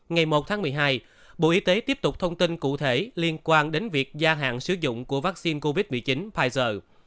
ngày một tháng một mươi hai bộ y tế tiếp tục thông tin cụ thể liên quan đến việc gia hạn sử dụng của vaccine covid một mươi chín pfizer